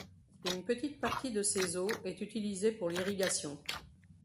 Une petite partie de ses eaux est utilisée pour l'irrigation.